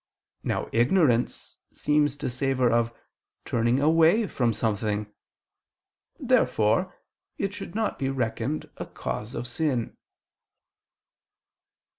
Now ignorance seems to savor of turning away from something. Therefore it should not be reckoned a cause of sin.